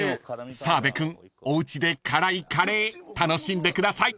［澤部君おうちで辛いカレー楽しんでください］